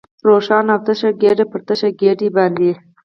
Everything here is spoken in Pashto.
لکه روښانه او تشه ګېډه، پر تشه ګېډه باندې.